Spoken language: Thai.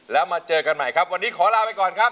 แล้วมาเจอกันใหม่ครับวันนี้ขอลาไปก่อนครับ